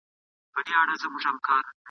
یوځل وانه خیست له غوښو څخه خوند ..